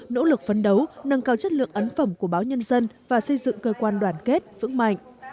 nỗ lực phấn đấu nâng cao chất lượng ấn phẩm của báo nhân dân và xây dựng cơ quan đoàn kết vững mạnh